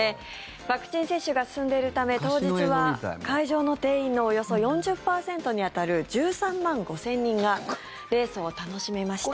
ワクチン接種が進んでいるため当日は会場の定員のおよそ４０％に当たる１３万５０００人がレースを楽しみました。